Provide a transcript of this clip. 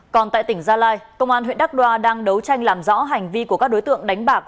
còn tại tỉnh gia lai công an huyện đắk đoa đang đấu tranh làm rõ hành vi của các đối tượng đánh bạc